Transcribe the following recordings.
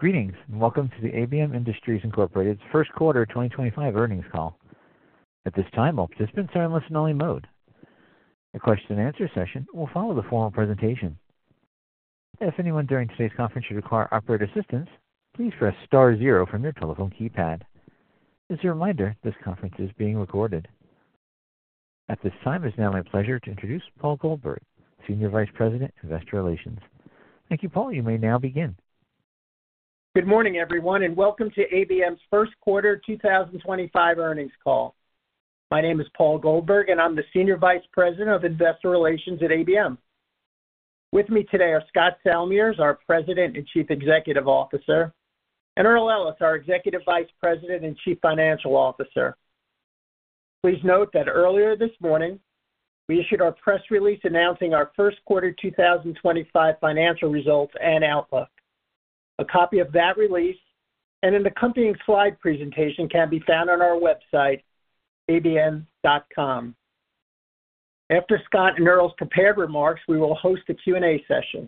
Greetings and welcome to the ABM Industries first quarter 2025 earnings call. At this time, all participants are in listen-only mode. The question-and-answer session will follow the formal presentation. If anyone during today's conference should require operator assistance, please press star zero from your telephone keypad. As a reminder, this conference is being recorded. At this time, it is now my pleasure to introduce Paul Goldberg, Senior Vice President, Investor Relations. Thank you, Paul. You may now begin. Good morning, everyone, and welcome to ABM's first quarter 2025 earnings call. My name is Paul Goldberg, and I'm the Senior Vice President of Investor Relations at ABM. With me today are Scott Salmirs, our President and Chief Executive Officer, and Earl Ellis, our Executive Vice President and Chief Financial Officer. Please note that earlier this morning, we issued our press release announcing our first quarter 2025 financial results and outlook. A copy of that release and an accompanying slide presentation can be found on our website, abm.com. After Scott and Earl's prepared remarks, we will host a Q&A session.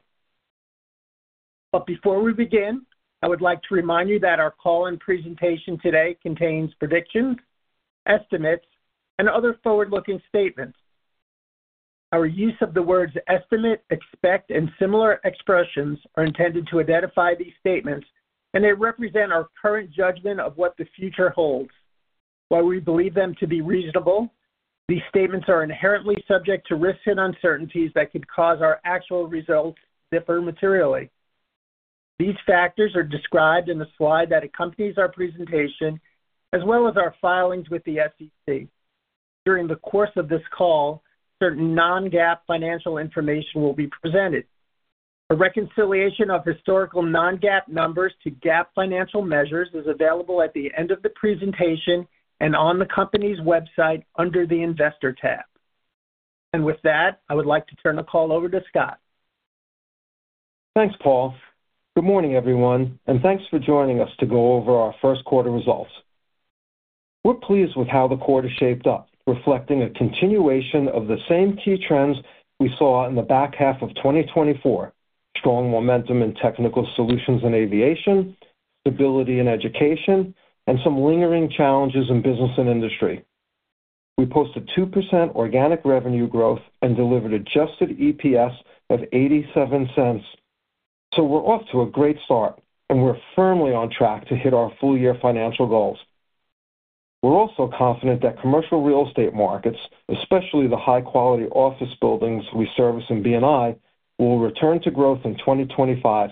Before we begin, I would like to remind you that our call and presentation today contains predictions, estimates, and other forward-looking statements. Our use of the words estimate, expect, and similar expressions is intended to identify these statements, and they represent our current judgment of what the future holds. While we believe them to be reasonable, these statements are inherently subject to risks and uncertainties that could cause our actual results to differ materially. These factors are described in the slide that accompanies our presentation, as well as our filings with the SEC. During the course of this call, certain non-GAAP financial information will be presented. A reconciliation of historical non-GAAP numbers to GAAP financial measures is available at the end of the presentation and on the company's website under the Investor tab. With that, I would like to turn the call over to Scott. Thanks, Paul. Good morning, everyone, and thanks for joining us to go over our first quarter results. We're pleased with how the quarter shaped up, reflecting a continuation of the same key trends we saw in the back half of 2024: strong momentum in Technical Solutions in aviation, stability in education, and some lingering challenges in business & industry. We posted 2% organic revenue growth and delivered adjusted EPS of $0.87. We're off to a great start, and we're firmly on track to hit our full-year financial goals. We're also confident that commercial real estate markets, especially the high-quality office buildings we service in BNI, will return to growth in 2025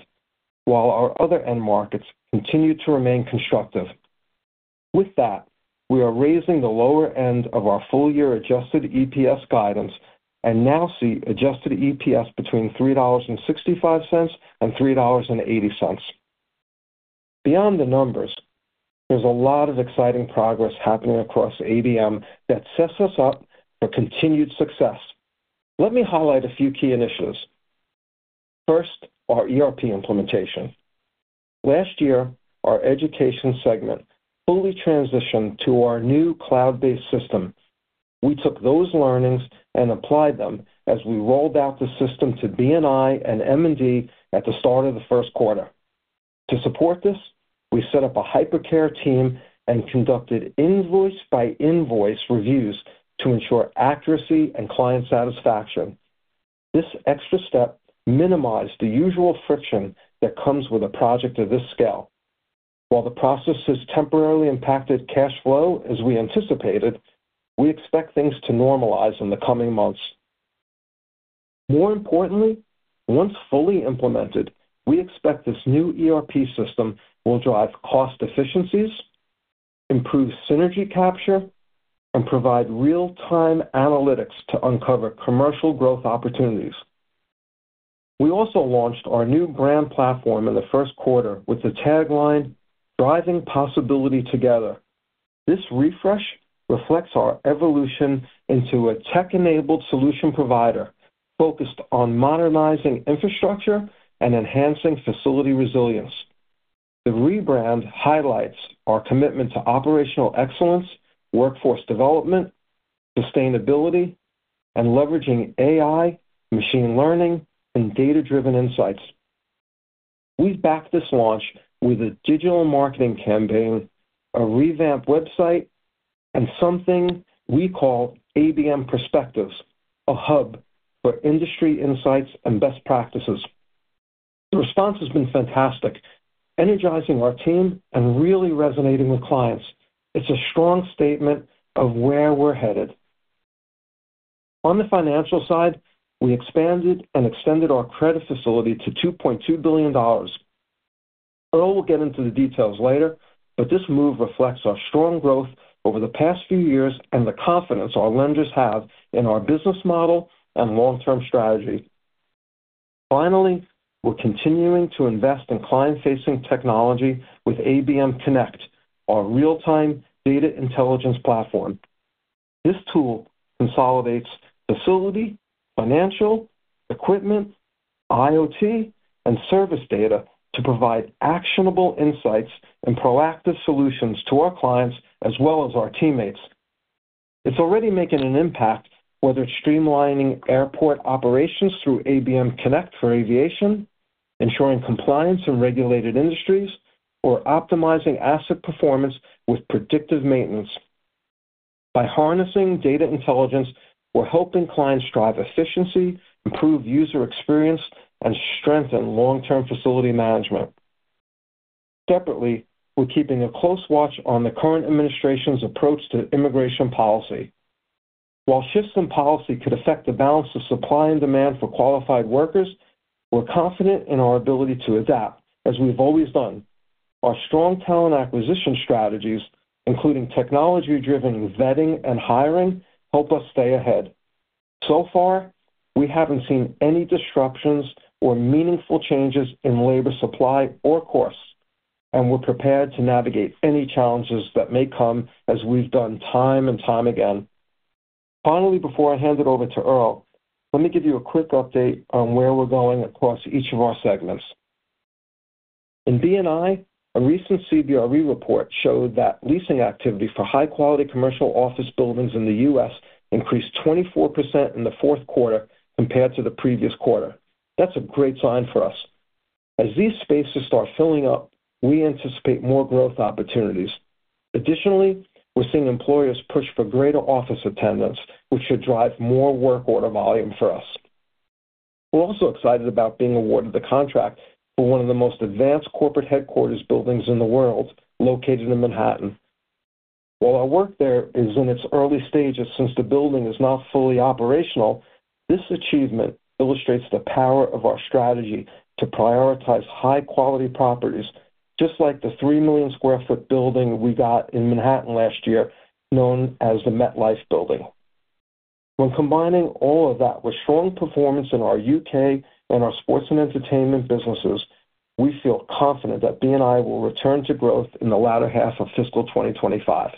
while our other end markets continue to remain constructive. With that, we are raising the lower end of our full-year adjusted EPS guidance and now see adjusted EPS between $3.65 and $3.80. Beyond the numbers, there's a lot of exciting progress happening across ABM that sets us up for continued success. Let me highlight a few key initiatives. First, our ERP implementation. Last year, our Education segment fully transitioned to our new cloud-based system. We took those learnings and applied them as we rolled out the system to BNI and M&D at the start of the first quarter. To support this, we set up a hypercare team and conducted invoice-by-invoice reviews to ensure accuracy and client satisfaction. This extra step minimized the usual friction that comes with a project of this scale. While the process has temporarily impacted cash flow, as we anticipated, we expect things to normalize in the coming months. More importantly, once fully implemented, we expect this new ERP system will drive cost efficiencies, improve synergy capture, and provide real-time analytics to uncover commercial growth opportunities. We also launched our new brand platform in the first quarter with the tagline, "Driving Possibility Together." This refresh reflects our evolution into a tech-enabled solution provider focused on modernizing infrastructure and enhancing facility resilience. The rebrand highlights our commitment to operational excellence, workforce development, sustainability, and leveraging AI, machine learning, and data-driven insights. We've backed this launch with a digital marketing campaign, a revamped website, and something we call ABM Perspectives, a hub for industry insights and best practices. The response has been fantastic, energizing our team and really resonating with clients. It's a strong statement of where we're headed. On the financial side, we expanded and extended our credit facility to $2.2 billion. Earl will get into the details later, but this move reflects our strong growth over the past few years and the confidence our lenders have in our business model and long-term strategy. Finally, we're continuing to invest in client-facing technology with ABM Connect, our real-time data intelligence platform. This tool consolidates facility, financial, equipment, IoT, and service data to provide actionable insights and proactive solutions to our clients as well as our teammates. It's already making an impact, whether it's streamlining airport operations through ABM Connect for aviation, ensuring compliance in regulated industries, or optimizing asset performance with predictive maintenance. By harnessing data intelligence, we're helping clients drive efficiency, improve user experience, and strengthen long-term facility management. Separately, we're keeping a close watch on the current administration's approach to immigration policy. While shifts in policy could affect the balance of supply and demand for qualified workers, we're confident in our ability to adapt, as we've always done. Our strong talent acquisition strategies, including technology-driven vetting and hiring, help us stay ahead. So far, we haven't seen any disruptions or meaningful changes in labor supply or course, and we're prepared to navigate any challenges that may come as we've done time and time again. Finally, before I hand it over to Earl, let me give you a quick update on where we're going across each of our segments. In BNI, a recent CBRE report showed that leasing activity for high-quality commercial office buildings in the U.S. increased 24% in the fourth quarter compared to the previous quarter. That's a great sign for us. As these spaces start filling up, we anticipate more growth opportunities. Additionally, we're seeing employers push for greater office attendance, which should drive more work order volume for us. We're also excited about being awarded the contract for one of the most advanced corporate headquarters buildings in the world, located in Manhattan. While our work there is in its early stages since the building is not fully operational, this achievement illustrates the power of our strategy to prioritize high-quality properties, just like the 3 million sq ft building we got in Manhattan last year, known as the MetLife Building. When combining all of that with strong performance in our U.K. and our sports and entertainment businesses, we feel confident that BNI will return to growth in the latter half of fiscal 2025.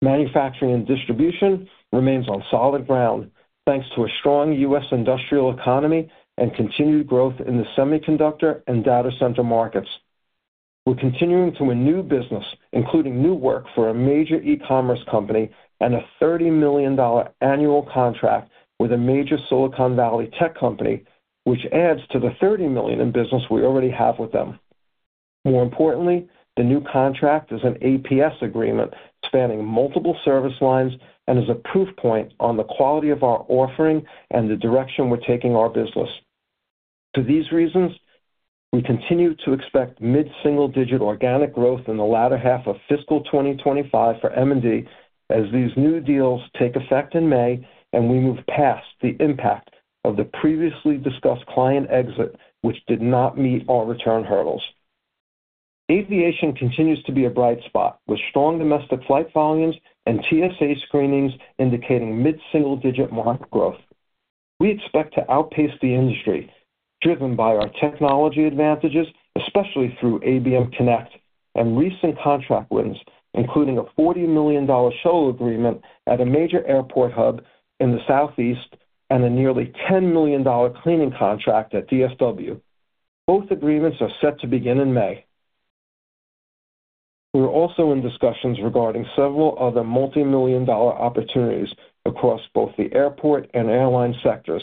Manufacturing & Distribution remains on solid ground, thanks to a strong U.S. industrial economy and continued growth in the semiconductor and data center markets. We're continuing to renew business, including new work for a major e-commerce company and a $30 million annual contract with a major Silicon Valley tech company, which adds to the $30 million in business we already have with them. More importantly, the new contract is an APS agreement spanning multiple service lines and is a proof point on the quality of our offering and the direction we're taking our business. For these reasons, we continue to expect mid-single-digit organic growth in the latter half of fiscal 2025 for M&D as these new deals take effect in May and we move past the impact of the previously discussed client exit, which did not meet our return hurdles. Aviation continues to be a bright spot, with strong domestic flight volumes and TSA screenings indicating mid-single-digit market growth. We expect to outpace the industry, driven by our technology advantages, especially through ABM Connect and recent contract wins, including a $40 million shuttle agreement at a major airport hub in the Southeast and a nearly $10 million cleaning contract at Dallas-Fort Worth Airport. Both agreements are set to begin in May. We're also in discussions regarding several other multi-million dollar opportunities across both the airport and airline sectors,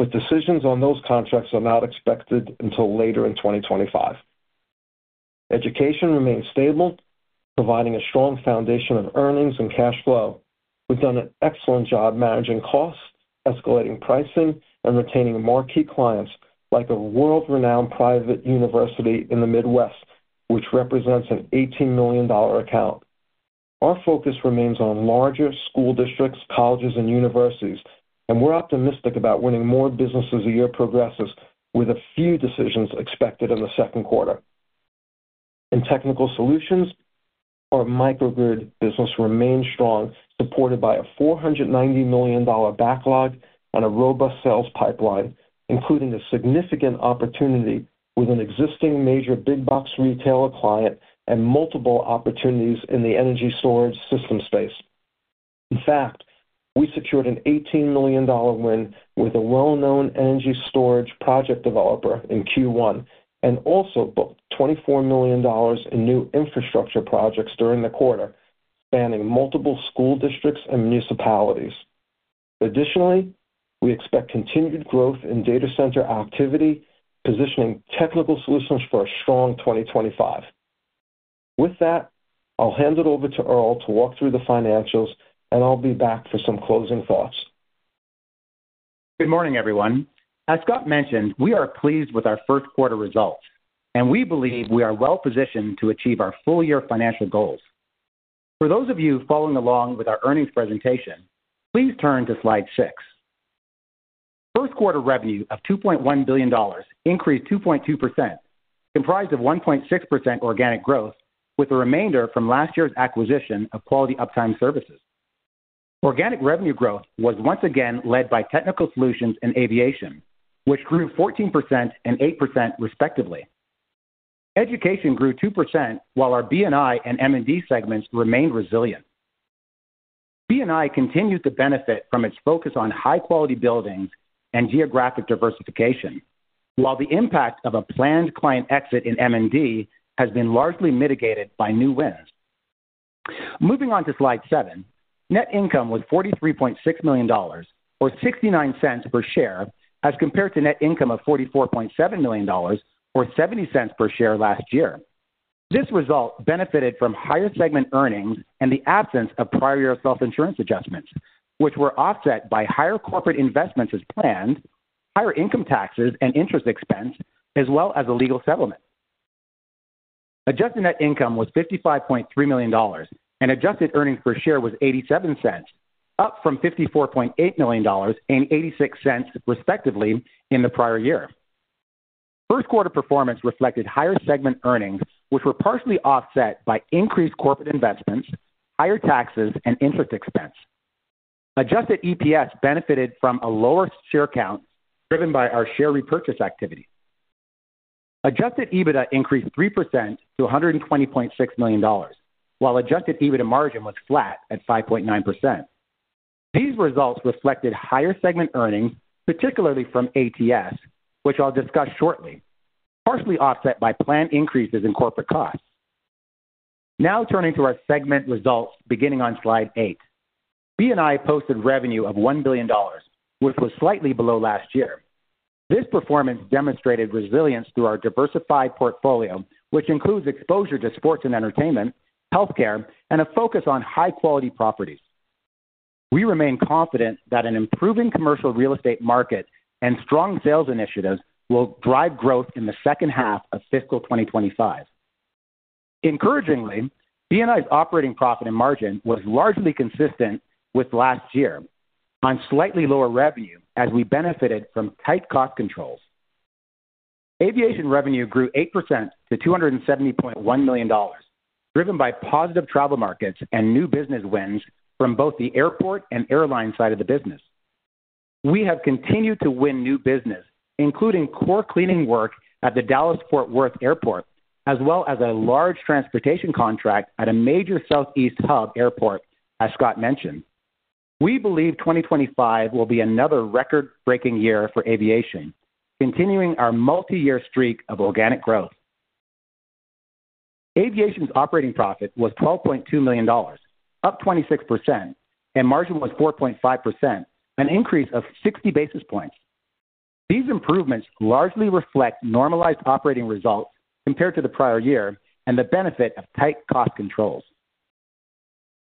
but decisions on those contracts are not expected until later in 2025. Education remains stable, providing a strong foundation of earnings and cash flow. We've done an excellent job managing costs, escalating pricing, and retaining more key clients, like a world-renowned private university in the Midwest, which represents an $18 million account. Our focus remains on larger school districts, colleges, and universities, and we're optimistic about winning more business as the year progresses, with a few decisions expected in the second quarter. In technical solutions, our microgrid business remains strong, supported by a $490 million backlog and a robust sales pipeline, including a significant opportunity with an existing major big-box retailer client and multiple opportunities in the energy storage system space. In fact, we secured an $18 million win with a well-known energy storage project developer in Q1 and also booked $24 million in new infrastructure projects during the quarter, spanning multiple school districts and municipalities. Additionally, we expect continued growth in data center activity, positioning technical solutions for a strong 2025. With that, I'll hand it over to Earl to walk through the financials, and I'll be back for some closing thoughts. Good morning, everyone. As Scott mentioned, we are pleased with our first quarter results, and we believe we are well-positioned to achieve our full-year financial goals. For those of you following along with our earnings presentation, please turn to slide 6. First quarter revenue of $2.1 billion increased 2.2%, comprised of 1.6% organic growth, with the remainder from last year's acquisition of Quality Uptime Services. Organic revenue growth was once again led by technical solutions in Aviation, which grew 14% and 8%, respectively. Education grew 2%, while our BNI and M&D segments remained resilient. BNI continues to benefit from its focus on high-quality buildings and geographic diversification, while the impact of a planned client exit in M&D has been largely mitigated by new wins. Moving on to slide 7, net income was $43.6 million, or $0.69 per share, as compared to net income of $44.7 million, or $0.70 per share last year. This result benefited from higher segment earnings and the absence of prior year self-insurance adjustments, which were offset by higher corporate investments as planned, higher income taxes and interest expense, as well as a legal settlement. Adjusted net income was $55.3 million, and adjusted earnings per share was $0.87, up from $54.8 million and $0.86, respectively, in the prior year. First quarter performance reflected higher segment earnings, which were partially offset by increased corporate investments, higher taxes, and interest expense. Adjusted EPS benefited from a lower share count, driven by our share repurchase activity. Adjusted EBITDA increased 3% to $120.6 million, while adjusted EBITDA margin was flat at 5.9%. These results reflected higher segment earnings, particularly from ATS, which I'll discuss shortly, partially offset by planned increases in corporate costs. Now turning to our segment results, beginning on slide 8, BNI posted revenue of $1 billion, which was slightly below last year. This performance demonstrated resilience through our diversified portfolio, which includes exposure to sports and entertainment, healthcare, and a focus on high-quality properties. We remain confident that an improving commercial real estate market and strong sales initiatives will drive growth in the second half of fiscal 2025. Encouragingly, BNI's operating profit and margin was largely consistent with last year, on slightly lower revenue, as we benefited from tight cost controls. Aviation revenue grew 8% to $270.1 million, driven by positive travel markets and new business wins from both the airport and airline side of the business. We have continued to win new business, including core cleaning work at the Dallas-Fort Worth Airport, as well as a large transportation contract at a major Southeast hub airport, as Scott mentioned. We believe 2025 will be another record-breaking year for aviation, continuing our multi-year streak of organic growth. Aviation's operating profit was $12.2 million, up 26%, and margin was 4.5%, an increase of 60 basis points. These improvements largely reflect normalized operating results compared to the prior year and the benefit of tight cost controls.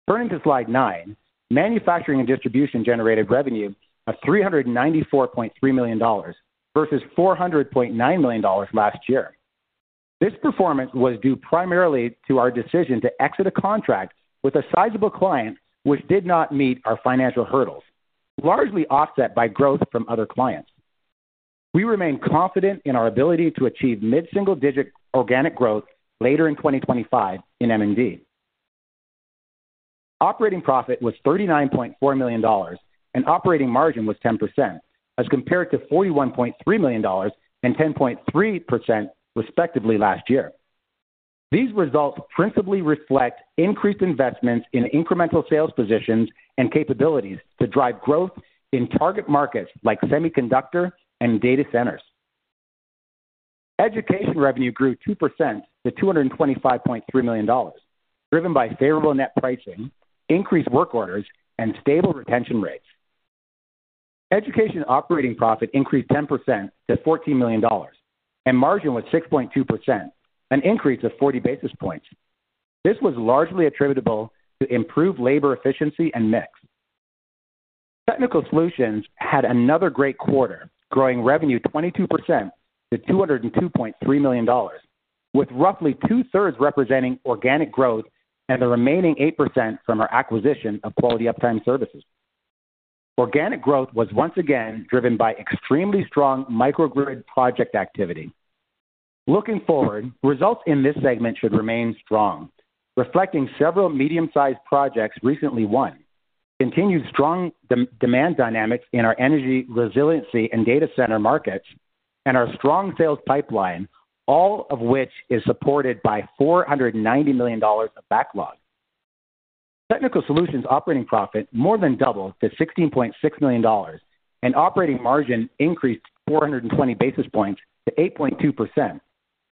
Turning to slide 9, Manufacturing & Distribution generated revenue of $394.3 million versus $400.9 million last year. This performance was due primarily to our decision to exit a contract with a sizable client, which did not meet our financial hurdles, largely offset by growth from other clients. We remain confident in our ability to achieve mid-single-digit organic growth later in 2025 in M&D. Operating profit was $39.4 million, and operating margin was 10%, as compared to $41.3 million and 10.3%, respectively, last year. These results principally reflect increased investments in incremental sales positions and capabilities to drive growth in target markets like semiconductor and data centers. Education revenue grew 2% to $225.3 million, driven by favorable net pricing, increased work orders, and stable retention rates. Education operating profit increased 10% to $14 million, and margin was 6.2%, an increase of 40 basis points. This was largely attributable to improved labor efficiency and mix. Technical solutions had another great quarter, growing revenue 22% to $202.3 million, with roughly two-thirds representing organic growth and the remaining 8% from our acquisition of Quality Uptime Services. Organic growth was once again driven by extremely strong microgrid project activity. Looking forward, results in this segment should remain strong, reflecting several medium-sized projects recently won, continued strong demand dynamics in our energy resiliency and data center markets, and our strong sales pipeline, all of which is supported by $490 million of backlog. Technical solutions operating profit more than doubled to $16.6 million, and operating margin increased 420 basis points to 8.2%,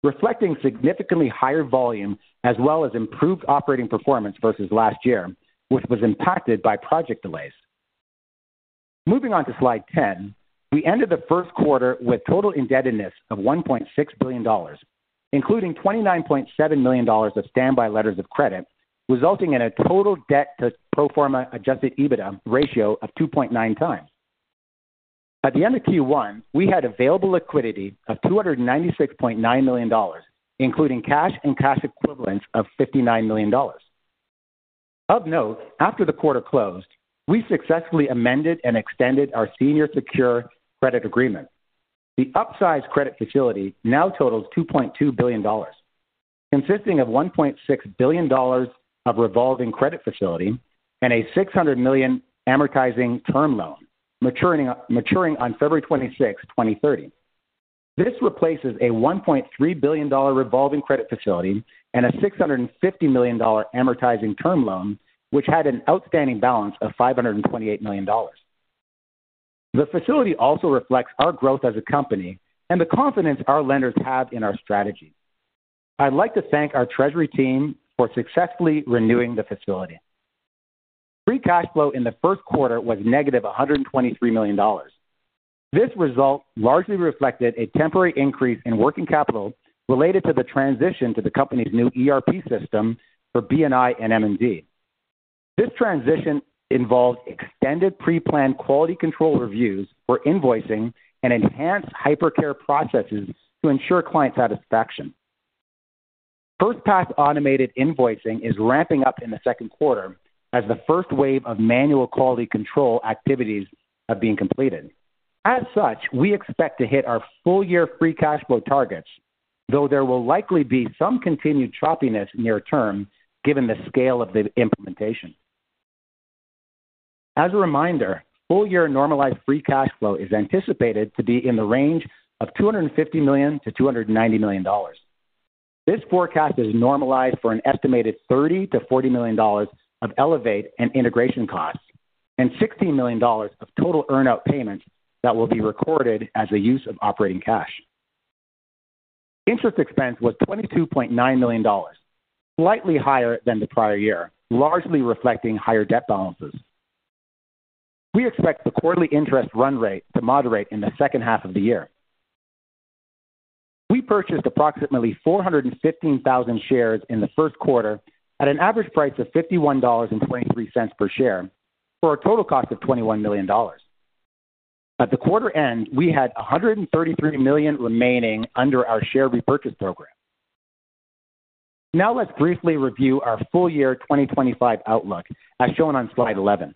reflecting significantly higher volume as well as improved operating performance versus last year, which was impacted by project delays. Moving on to slide 10, we ended the first quarter with total indebtedness of $1.6 billion, including $29.7 million of standby letters of credit, resulting in a total debt-to-proforma adjusted EBITDA ratio of 2.9 times. At the end of Q1, we had available liquidity of $296.9 million, including cash and cash equivalents of $59 million. Of note, after the quarter closed, we successfully amended and extended our senior secure credit agreement. The upsized credit facility now totals $2.2 billion, consisting of $1.6 billion of revolving credit facility and a $600 million amortizing term loan, maturing on February 26, 2030. This replaces a $1.3 billion revolving credit facility and a $650 million amortizing term loan, which had an outstanding balance of $528 million. The facility also reflects our growth as a company and the confidence our lenders have in our strategy. I'd like to thank our treasury team for successfully renewing the facility. Free cash flow in the first quarter was negative $123 million. This result largely reflected a temporary increase in working capital related to the transition to the company's new ERP system for BNI and M&D. This transition involved extended pre-planned quality control reviews for invoicing and enhanced hypercare processes to ensure client satisfaction. First-pass automated invoicing is ramping up in the second quarter, as the first wave of manual quality control activities is being completed. As such, we expect to hit our full-year pre-cash flow targets, though there will likely be some continued choppiness near term given the scale of the implementation. As a reminder, full-year normalized pre-cash flow is anticipated to be in the range of $250 million-$290 million. This forecast is normalized for an estimated $30 million-$40 million of Elevate and integration costs and $16 million of total earn-out payments that will be recorded as the use of operating cash. Interest expense was $22.9 million, slightly higher than the prior year, largely reflecting higher debt balances. We expect the quarterly interest run rate to moderate in the second half of the year. We purchased approximately 415,000 shares in the first quarter at an average price of $51.23 per share for a total cost of $21 million. At the quarter end, we had $133 million remaining under our share repurchase program. Now let's briefly review our full-year 2025 outlook, as shown on slide 11.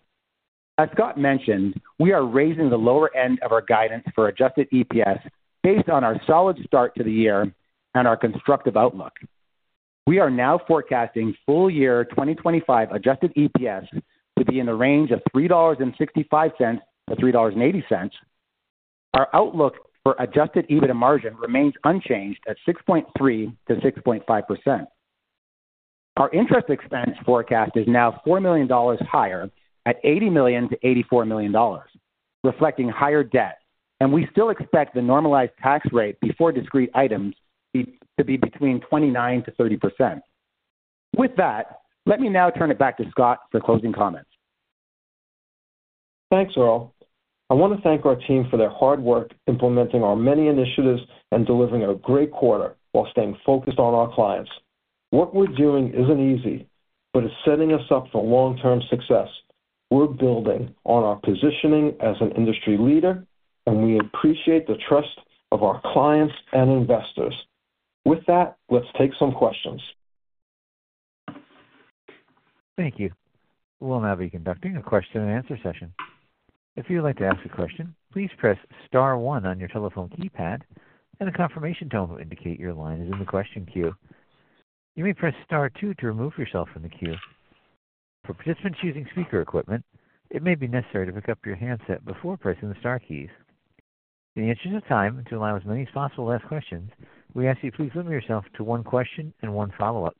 As Scott mentioned, we are raising the lower end of our guidance for adjusted EPS based on our solid start to the year and our constructive outlook. We are now forecasting full-year 2025 adjusted EPS to be in the range of $3.65-$3.80. Our outlook for adjusted EBITDA margin remains unchanged at 6.3%-6.5%. Our interest expense forecast is now $4 million higher at $80 million-$84 million, reflecting higher debt, and we still expect the normalized tax rate before discrete items to be between 29%-30%. With that, let me now turn it back to Scott for closing comments. Thanks, Earl. I want to thank our team for their hard work implementing our many initiatives and delivering a great quarter while staying focused on our clients. What we're doing isn't easy, but it's setting us up for long-term success. We're building on our positioning as an industry leader, and we appreciate the trust of our clients and investors. With that, let's take some questions. Thank you. We'll now be conducting a question-and-answer session. If you'd like to ask a question, please press Star 1 on your telephone keypad, and a confirmation tone will indicate your line is in the question queue. You may press Star 2 to remove yourself from the queue. For participants using speaker equipment, it may be necessary to pick up your handset before pressing the Star keys. In the interest of time and to allow as many as possible to ask questions, we ask that you please limit yourself to one question and one follow-up.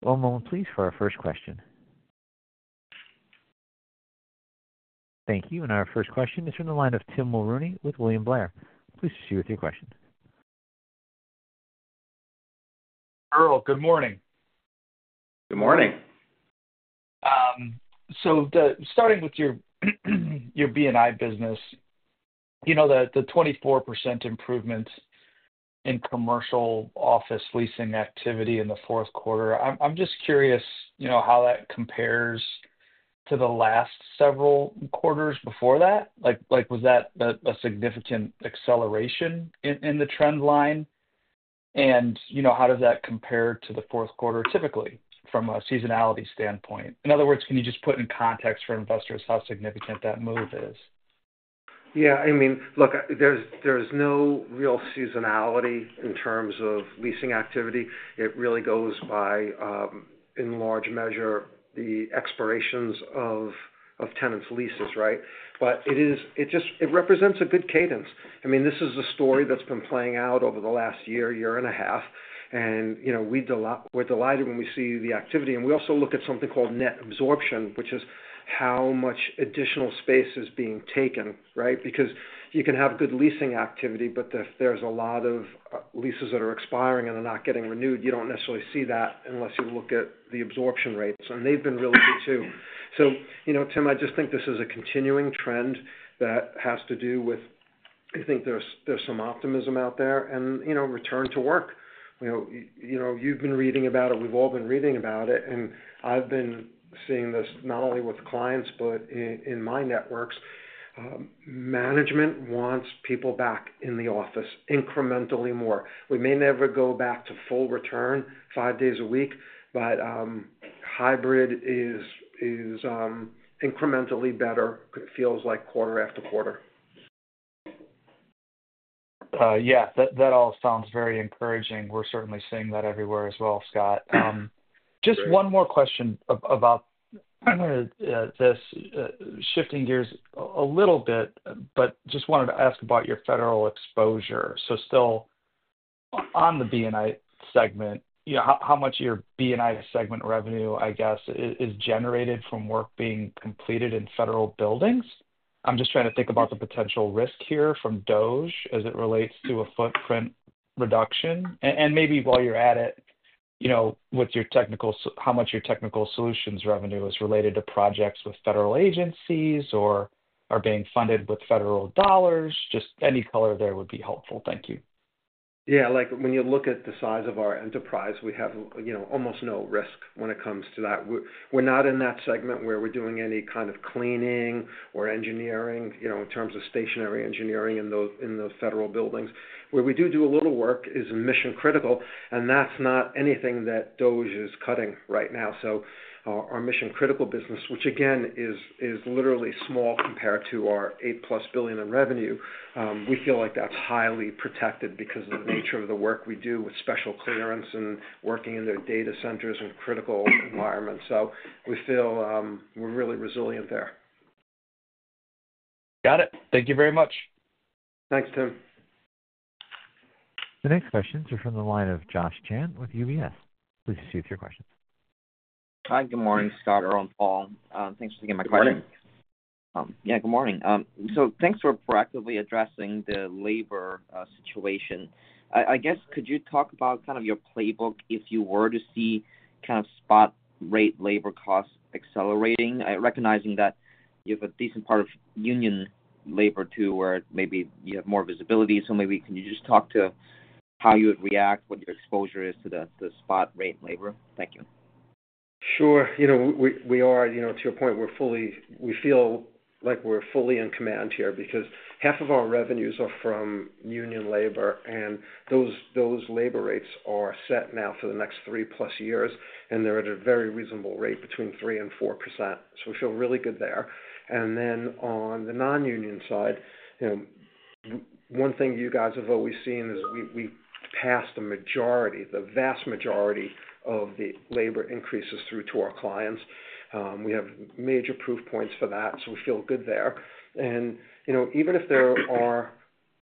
One moment, please, for our first question. Thank you. Our first question is from the line of Tim Lu with William Blair. Please proceed with your question. Earl, good morning. Good morning. Starting with your BNI business, the 24% improvement in commercial office leasing activity in the fourth quarter, I'm just curious how that compares to the last several quarters before that. Was that a significant acceleration in the trend line? How does that compare to the fourth quarter typically from a seasonality standpoint? In other words, can you just put in context for investors how significant that move is? Yeah. I mean, look, there's no real seasonality in terms of leasing activity. It really goes by, in large measure, the expirations of tenants' leases, right? It represents a good cadence. I mean, this is a story that's been playing out over the last year, year and a half. We're delighted when we see the activity. We also look at something called net absorption, which is how much additional space is being taken, right? You can have good leasing activity, but if there's a lot of leases that are expiring and they're not getting renewed, you don't necessarily see that unless you look at the absorption rates. They've been really good too. Tim, I just think this is a continuing trend that has to do with, I think there's some optimism out there and return to work. You've been reading about it. We've all been reading about it. I've been seeing this not only with clients, but in my networks. Management wants people back in the office incrementally more. We may never go back to full return five days a week, but hybrid is incrementally better. It feels like quarter after quarter. Yeah. That all sounds very encouraging. We're certainly seeing that everywhere as well, Scott. Just one more question about this, shifting gears a little bit, but just wanted to ask about your federal exposure. Still on the BNI segment, how much of your BNI segment revenue, I guess, is generated from work being completed in federal buildings? I'm just trying to think about the potential risk here from DOGE as it relates to a footprint reduction. Maybe while you're at it, how much of your technical solutions revenue is related to projects with federal agencies or are being funded with federal dollars? Just any color there would be helpful. Thank you. Yeah. When you look at the size of our enterprise, we have almost no risk when it comes to that. We're not in that segment where we're doing any kind of cleaning or engineering in terms of stationary engineering in the federal buildings. Where we do do a little work is mission-critical, and that's not anything that DoD is cutting right now. Our mission-critical business, which again is literally small compared to our $8-plus billion in revenue, we feel like that's highly protected because of the nature of the work we do with special clearance and working in their data centers and critical environments. We feel we're really resilient there. Got it. Thank you very much. Thanks, Tim. The next questions are from the line of Josh Chan with UBS. Please proceed with your questions. Hi. Good morning, Scott, Earl, and Paul. Thanks for taking my question. Good morning. Yeah. Good morning. Thanks for proactively addressing the labor situation. I guess, could you talk about kind of your playbook if you were to see kind of spot-rate labor costs accelerating, recognizing that you have a decent part of union labor too where maybe you have more visibility? Can you just talk to how you would react, what your exposure is to the spot-rate labor? Thank you. Sure. We are, to your point, we feel like we're fully in command here because half of our revenues are from union labor, and those labor rates are set now for the next three-plus years, and they're at a very reasonable rate between 3% and 4%. We feel really good there. On the non-union side, one thing you guys have always seen is we passed the vast majority of the labor increases through to our clients. We have major proof points for that, so we feel good there. Even if there are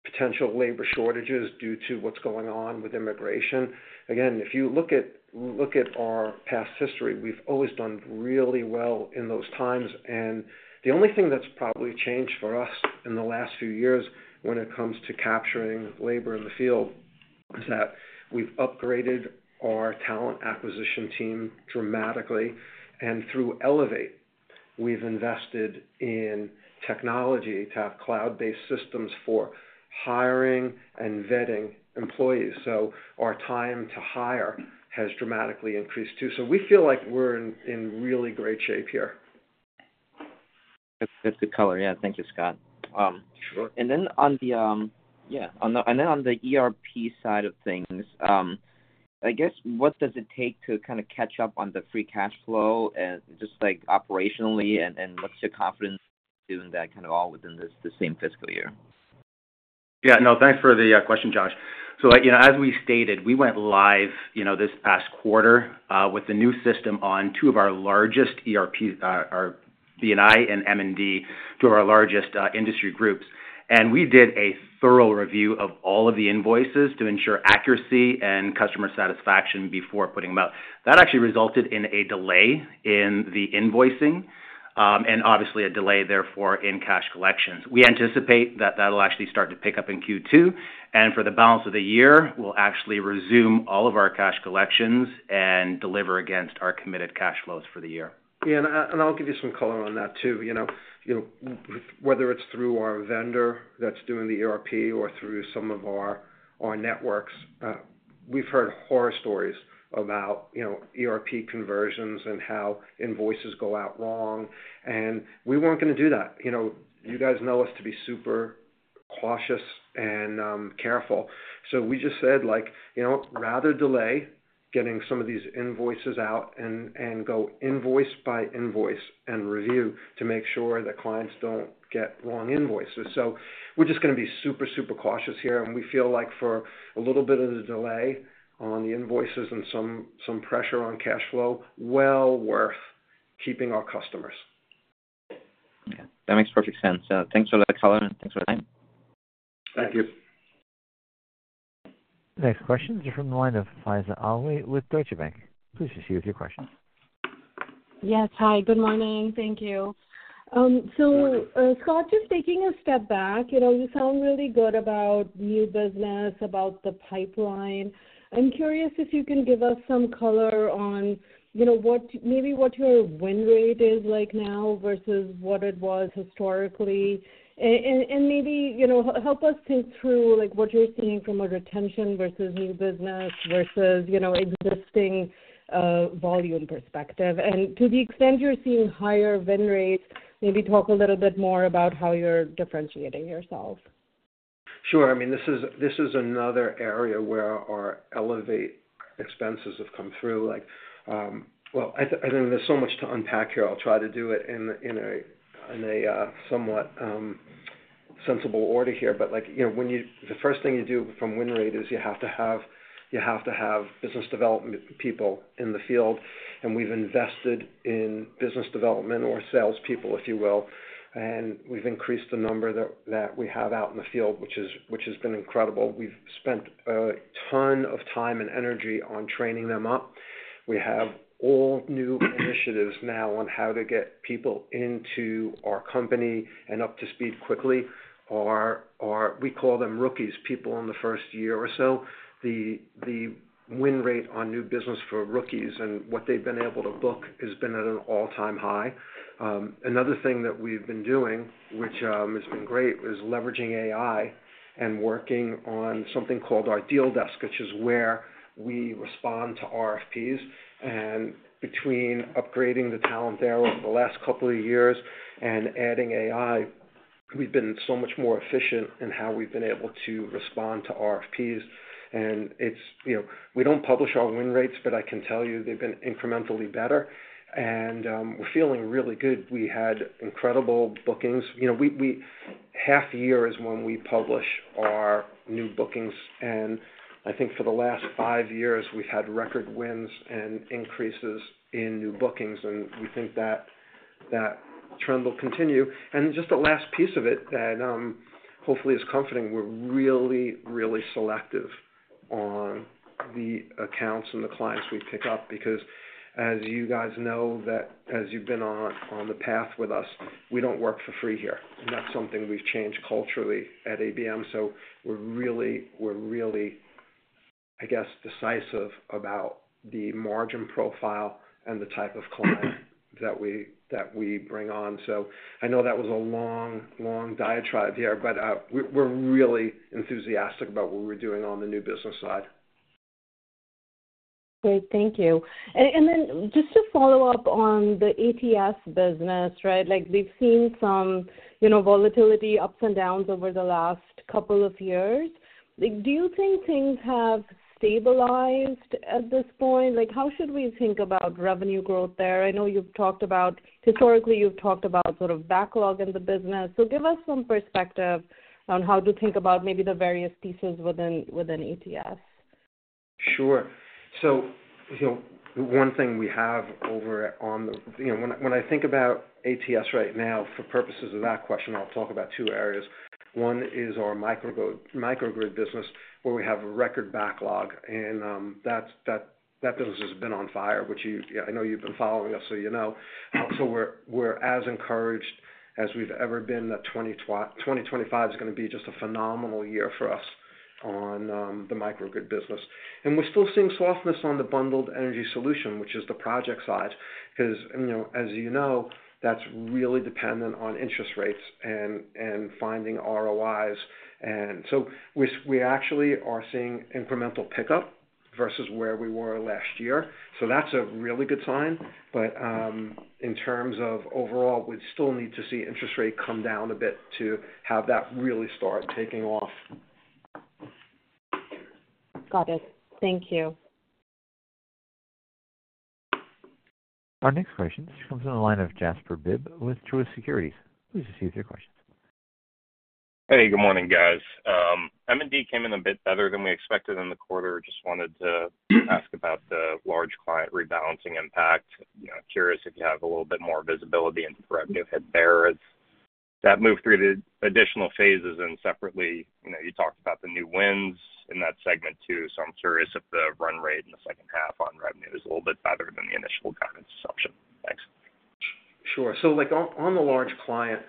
potential labor shortages due to what's going on with immigration, again, if you look at our past history, we've always done really well in those times. The only thing that's probably changed for us in the last few years when it comes to capturing labor in the field is that we've upgraded our talent acquisition team dramatically. Through Elevate, we've invested in technology to have cloud-based systems for hiring and vetting employees. Our time to hire has dramatically increased too. We feel like we're in really great shape here. Good color. Yeah. Thank you, Scott. Sure. Yeah. On the ERP side of things, I guess, what does it take to kind of catch up on the free cash flow just operationally, and what's your confidence doing that kind of all within the same fiscal year? Yeah. No, thanks for the question, Josh. As we stated, we went live this past quarter with the new system on two of our largest ERPs, our BNI and M&D, two of our largest industry groups. We did a thorough review of all of the invoices to ensure accuracy and customer satisfaction before putting them out. That actually resulted in a delay in the invoicing and obviously a delay therefore in cash collections. We anticipate that that'll actually start to pick up in Q2. For the balance of the year, we'll actually resume all of our cash collections and deliver against our committed cash flows for the year. Yeah. I'll give you some color on that too. Whether it's through our vendor that's doing the ERP or through some of our networks, we've heard horror stories about ERP conversions and how invoices go out wrong. We were not going to do that. You guys know us to be super cautious and careful. We just said, "Rather delay getting some of these invoices out and go invoice by invoice and review to make sure that clients do not get wrong invoices." We are just going to be super, super cautious here. We feel like for a little bit of the delay on the invoices and some pressure on cash flow, it is well worth keeping our customers. Yeah. That makes perfect sense. Thanks for the color and thanks for the time. Thank you. Next questions are from the line of Faiza Alwy with Deutsche Bank. Please proceed with your questions. Yes. Hi. Good morning. Thank you. Scott, just taking a step back, you sound really good about new business, about the pipeline. I'm curious if you can give us some color on maybe what your win rate is like now versus what it was historically. Maybe help us think through what you're seeing from a retention versus new business versus existing volume perspective. To the extent you're seeing higher win rates, maybe talk a little bit more about how you're differentiating yourself. Sure. I mean, this is another area where our Elevate expenses have come through. I think there's so much to unpack here. I'll try to do it in a somewhat sensible order here. The first thing you do from win rate is you have to have business development people in the field. We've invested in business development or salespeople, if you will. We've increased the number that we have out in the field, which has been incredible. We've spent a ton of time and energy on training them up. We have all new initiatives now on how to get people into our company and up to speed quickly. We call them rookies, people in the first year or so. The win rate on new business for rookies and what they've been able to book has been at an all-time high. Another thing that we've been doing, which has been great, is leveraging AI and working on something called our deal desk, which is where we respond to RFPs. Between upgrading the talent there over the last couple of years and adding AI, we've been so much more efficient in how we've been able to respond to RFPs. We do not publish our win rates, but I can tell you they've been incrementally better. We are feeling really good. We had incredible bookings. Half a year is when we publish our new bookings. I think for the last five years, we've had record wins and increases in new bookings. We think that trend will continue. Just the last piece of it, and hopefully it's comforting, we're really, really selective on the accounts and the clients we pick up because, as you guys know, as you've been on the path with us, we don't work for free here. That's something we've changed culturally at ABM. We're really, I guess, decisive about the margin profile and the type of client that we bring on. I know that was a long, long diatribe here, but we're really enthusiastic about what we're doing on the new business side. Great. Thank you. Just to follow up on the ATS business, right? We've seen some volatility, ups and downs over the last couple of years. Do you think things have stabilized at this point? How should we think about revenue growth there? I know you've talked about, historically, you've talked about sort of backlog in the business. Give us some perspective on how to think about maybe the various pieces within ATS. Sure. One thing we have over on the, when I think about ATS right now, for purposes of that question, I'll talk about two areas. One is our microgrid business where we have a record backlog. That business has been on fire, which I know you've been following us, so you know. We're as encouraged as we've ever been. 2025 is going to be just a phenomenal year for us on the microgrid business. We're still seeing softness on the bundled energy solution, which is the project side because, as you know, that's really dependent on interest rates and finding ROIs. We actually are seeing incremental pickup versus where we were last year. That's a really good sign. In terms of overall, we'd still need to see interest rate come down a bit to have that really start taking off. Got it. Thank you. Our next question just comes from the line of Jasper Bibb with Truist Securities. Please proceed with your questions. Hey. Good morning, guys. M&D came in a bit better than we expected in the quarter. Just wanted to ask about the large client rebalancing impact. Curious if you have a little bit more visibility into the revenue hit there. Does that move through to additional phases? Separately, you talked about the new wins in that segment too. I'm curious if the run rate in the second half on revenue is a little bit better than the initial guidance assumption. Thanks. Sure. On the large client,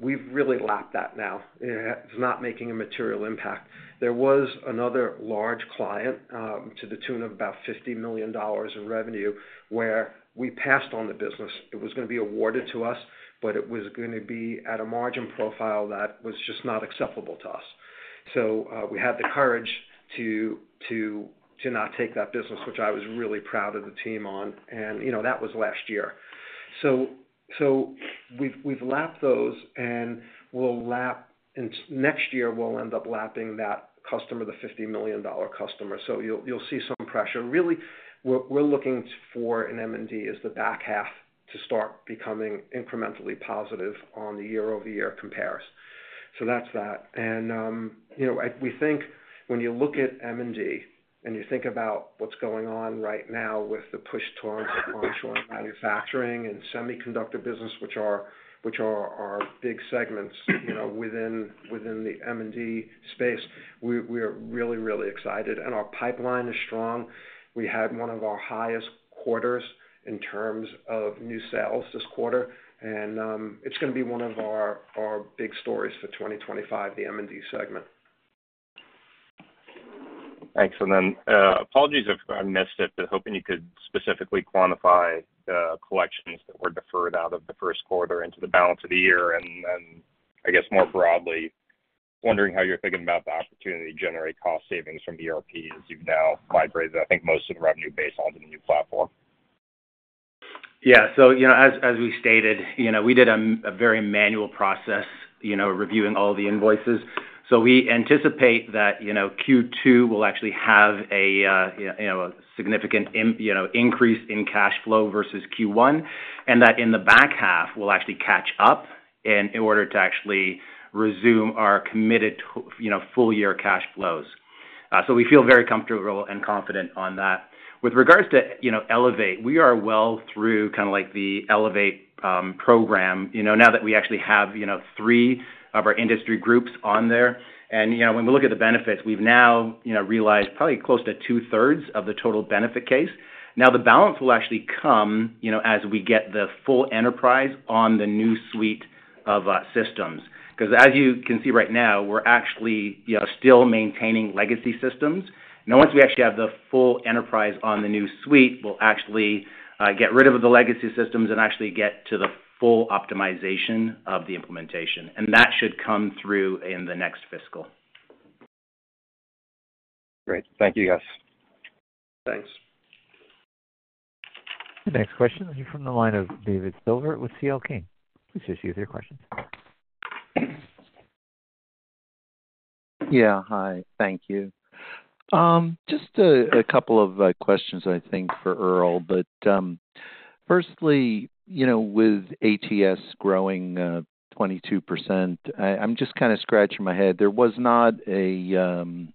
we've really lapped that now. It's not making a material impact. There was another large client to the tune of about $50 million in revenue where we passed on the business. It was going to be awarded to us, but it was going to be at a margin profile that was just not acceptable to us. We had the courage to not take that business, which I was really proud of the team on. That was last year. We've lapped those, and next year, we'll end up lapping that customer, the $50 million customer. You'll see some pressure. Really, we're looking for an M&D as the back half to start becoming incrementally positive on the year-over-year comparisons. That's that. We think when you look at M&D and you think about what's going on right now with the push towards onshoring manufacturing and semiconductor business, which are our big segments within the M&D space, we are really, really excited. Our pipeline is strong. We had one of our highest quarters in terms of new sales this quarter. It is going to be one of our big stories for 2025, the M&D segment. Thanks. Apologies if I missed it, but hoping you could specifically quantify the collections that were deferred out of the first quarter into the balance of the year. I guess more broadly, wondering how you're thinking about the opportunity to generate cost savings from ERP as you've now migrated, I think, most of the revenue based onto the new platform. Yeah. As we stated, we did a very manual process reviewing all the invoices. We anticipate that Q2 will actually have a significant increase in cash flow versus Q1, and that in the back half, we will actually catch up in order to actually resume our committed full-year cash flows. We feel very comfortable and confident on that. With regards to Elevate, we are well through kind of the Elevate program now that we actually have three of our industry groups on there. When we look at the benefits, we have now realized probably close to two-thirds of the total benefit case. The balance will actually come as we get the full enterprise on the new suite of systems. Because as you can see right now, we are actually still maintaining legacy systems. Now, once we actually have the full enterprise on the new suite, we'll actually get rid of the legacy systems and actually get to the full optimization of the implementation. That should come through in the next fiscal. Great. Thank you, guys. Thanks. Next question from the line of David Silver with CLK. Please proceed with your questions. Yeah. Hi. Thank you. Just a couple of questions, I think, for Earl. Firstly, with ATS growing 22%, I'm just kind of scratching my head. There was not an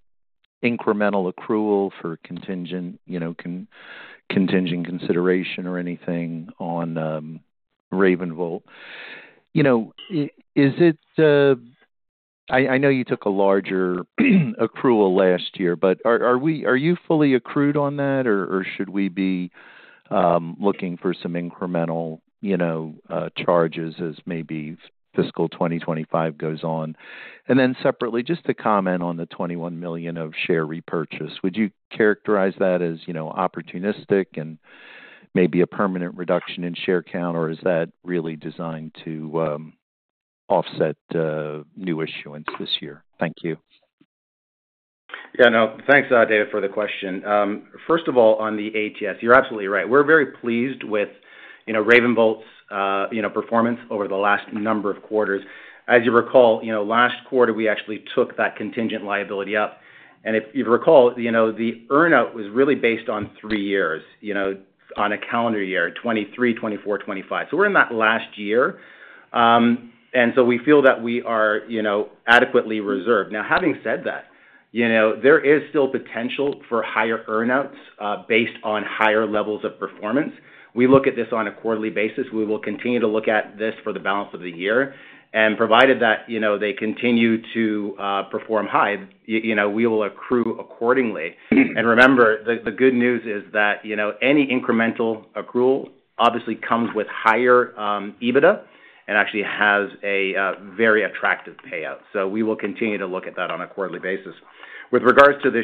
incremental accrual for contingent consideration or anything on RavenVolt. Is it—I know you took a larger accrual last year, but are you fully accrued on that, or should we be looking for some incremental charges as maybe fiscal 2025 goes on? Separately, just to comment on the $21 million of share repurchase, would you characterize that as opportunistic and maybe a permanent reduction in share count, or is that really designed to offset new issuance this year? Thank you. Yeah. No. Thanks, David, for the question. First of all, on the ATS, you're absolutely right. We're very pleased with RavenVolt's performance over the last number of quarters. As you recall, last quarter, we actually took that contingent liability up. If you recall, the earnout was really based on three years on a calendar year: 2023, 2024, 2025. We are in that last year. We feel that we are adequately reserved. Now, having said that, there is still potential for higher earnouts based on higher levels of performance. We look at this on a quarterly basis. We will continue to look at this for the balance of the year. Provided that they continue to perform high, we will accrue accordingly. Remember, the good news is that any incremental accrual obviously comes with higher EBITDA and actually has a very attractive payout. We will continue to look at that on a quarterly basis. With regards to the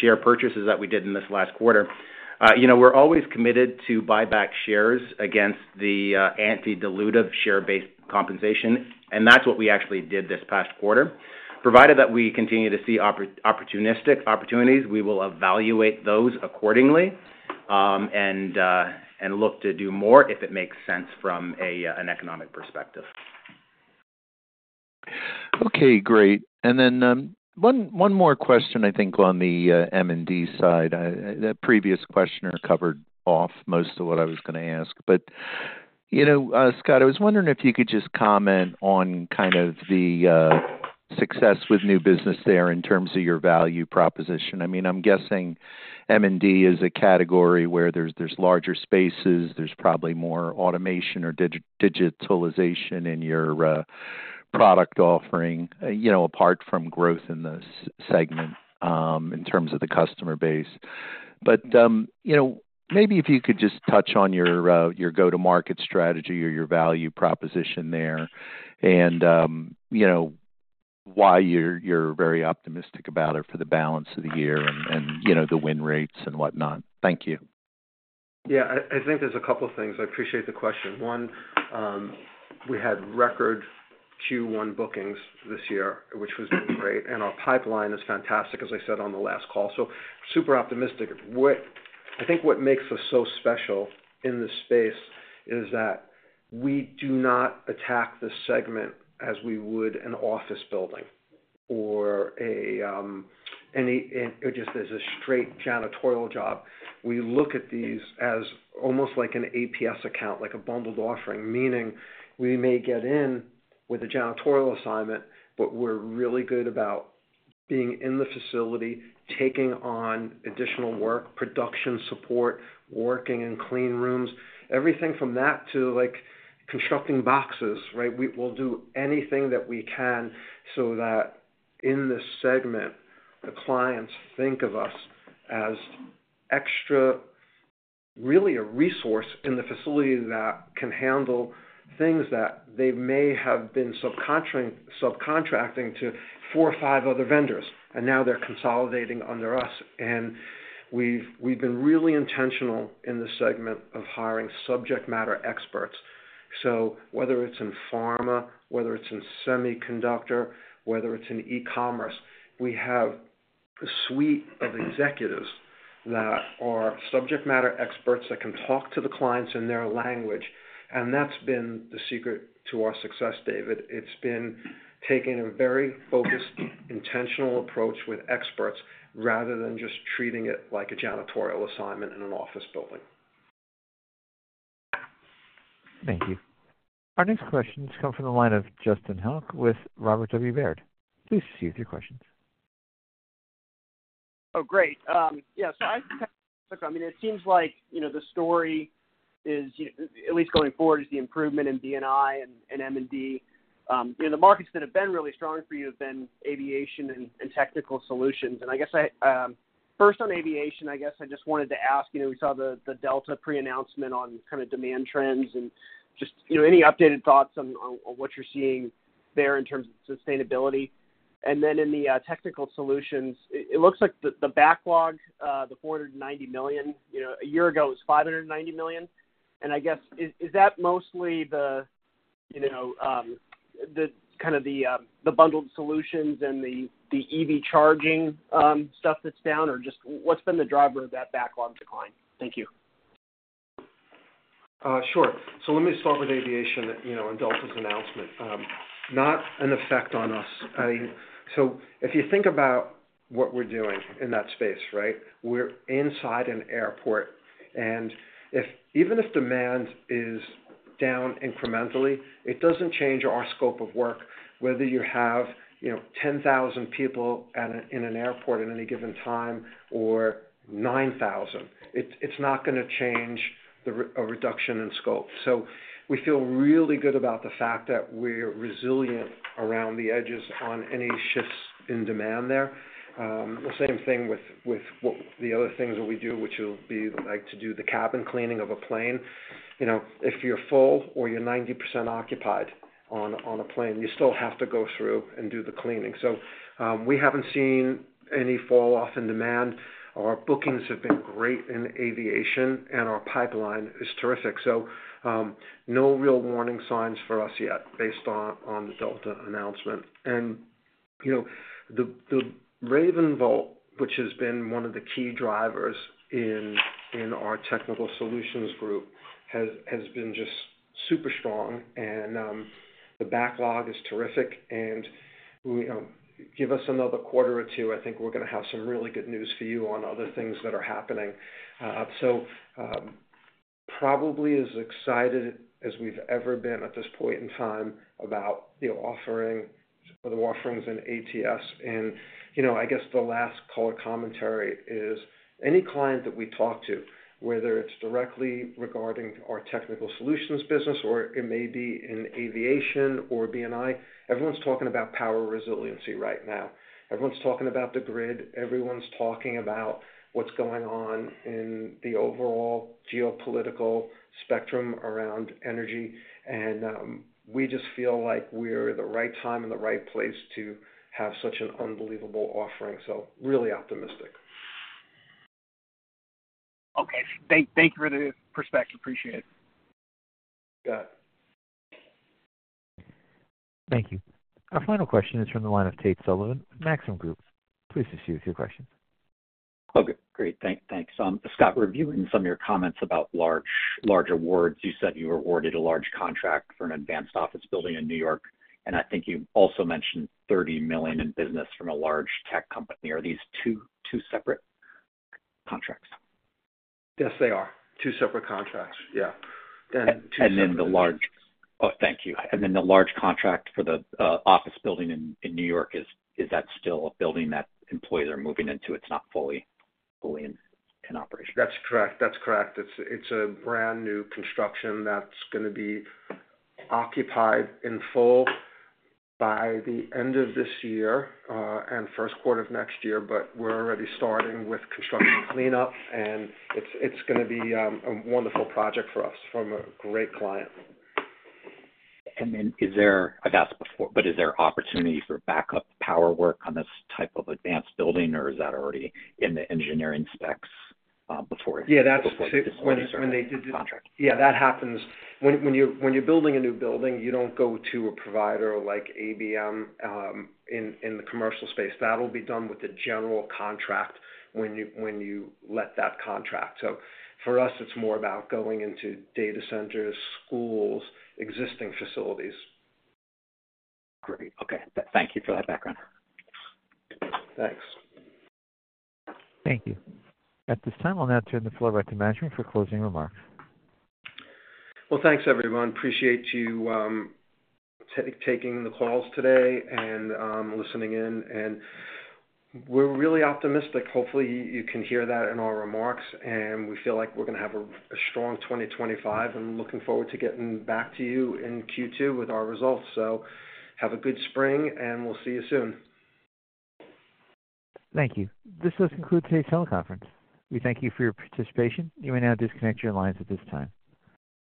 share purchases that we did in this last quarter, we're always committed to buy back shares against the antedilutive share-based compensation. That's what we actually did this past quarter. Provided that we continue to see opportunistic opportunities, we will evaluate those accordingly and look to do more if it makes sense from an economic perspective. Okay. Great. Then one more question, I think, on the M&D side. That previous questioner covered off most of what I was going to ask. Scott, I was wondering if you could just comment on kind of the success with new business there in terms of your value proposition. I mean, I'm guessing M&D is a category where there's larger spaces. There's probably more automation or digitalization in your product offering apart from growth in this segment in terms of the customer base. Maybe if you could just touch on your go-to-market strategy or your value proposition there and why you're very optimistic about it for the balance of the year and the win rates and whatnot. Thank you. Yeah. I think there's a couple of things. I appreciate the question. One, we had record Q1 bookings this year, which was great. Our pipeline is fantastic, as I said on the last call. Super optimistic. I think what makes us so special in this space is that we do not attack the segment as we would an office building or just as a straight janitorial job. We look at these as almost like an APS account, like a bundled offering, meaning we may get in with a janitorial assignment, but we're really good about being in the facility, taking on additional work, production support, working in clean rooms, everything from that to constructing boxes, right? We'll do anything that we can so that in this segment, the clients think of us as extra, really a resource in the facility that can handle things that they may have been subcontracting to four or five other vendors. Now they're consolidating under us. We've been really intentional in this segment of hiring subject matter experts. Whether it's in pharma, whether it's in semiconductor, whether it's in e-commerce, we have a suite of executives that are subject matter experts that can talk to the clients in their language. That's been the secret to our success, David. It's been taking a very focused, intentional approach with experts rather than just treating it like a janitorial assignment in an office building. Thank you. Our next question has come from the line of Justin Hunk with Robert W. Baird. Please proceed with your questions. Oh, great. Yeah. I mean, it seems like the story, at least going forward, is the improvement in BNI and M&D. The markets that have been really strong for you have been aviation and technical solutions. I guess first on aviation, I just wanted to ask, we saw the Delta pre-announcement on kind of demand trends and just any updated thoughts on what you're seeing there in terms of sustainability. In the technical solutions, it looks like the backlog, the $490 million, a year ago, it was $590 million. I guess, is that mostly kind of the bundled solutions and the EV charging stuff that's down, or just what's been the driver of that backlog decline? Thank you. Sure. Let me start with aviation and Delta's announcement. Not an effect on us. If you think about what we're doing in that space, right, we're inside an airport. Even if demand is down incrementally, it doesn't change our scope of work. Whether you have 10,000 people in an airport at any given time or 9,000, it's not going to change a reduction in scope. We feel really good about the fact that we're resilient around the edges on any shifts in demand there. The same thing with the other things that we do, which will be like to do the cabin cleaning of a plane. If you're full or you're 90% occupied on a plane, you still have to go through and do the cleaning. We haven't seen any falloff in demand. Our bookings have been great in aviation, and our pipeline is terrific. No real warning signs for us yet based on the Delta announcement. The RavenVolt, which has been one of the key drivers in our technical solutions group, has been just super strong. The backlog is terrific. Give us another quarter or two, I think we're going to have some really good news for you on other things that are happening. Probably as excited as we've ever been at this point in time about the offerings in ATS. I guess the last call of commentary is any client that we talk to, whether it's directly regarding our technical solutions business or it may be in aviation or BNI, everyone's talking about power resiliency right now. Everyone's talking about the grid. Everyone's talking about what's going on in the overall geopolitical spectrum around energy. We just feel like we're the right time and the right place to have such an unbelievable offering. Really optimistic. Okay. Thank you for the perspective. Appreciate it. Got it. Thank you. Our final question is from the line of Tate Sullivan with Maxim Group. Please proceed with your questions. Okay. Great. Thanks. Scott, reviewing some of your comments about larger awards, you said you were awarded a large contract for an advanced office building in New York. I think you also mentioned $30 million in business from a large tech company. Are these two separate contracts? Yes, they are. Two separate contracts. Yeah. Thank you. The large contract for the office building in New York, is that still a building that employees are moving into? It's not fully in operation? That's correct. That's correct. It's a brand new construction that's going to be occupied in full by the end of this year and first quarter of next year. We're already starting with construction cleanup, and it's going to be a wonderful project for us from a great client. Is there opportunity for backup power work on this type of advanced building, or is that already in the engineering specs before it's— Yeah, that's when they did the contract. Yeah, that happens. When you're building a new building, you don't go to a provider like ABM in the commercial space. That'll be done with a general contract when you let that contract. For us, it's more about going into data centers, schools, existing facilities. Great. Okay. Thank you for that background. Thanks. Thank you. At this time, I'll now turn the floor back to Maxim for closing remarks. Thanks, everyone. Appreciate you taking the calls today and listening in. We're really optimistic. Hopefully, you can hear that in our remarks. We feel like we're going to have a strong 2025. Looking forward to getting back to you in Q2 with our results. Have a good spring, and we'll see you soon. Thank you. This has concluded today's teleconference. We thank you for your participation. You may now disconnect your lines at this time.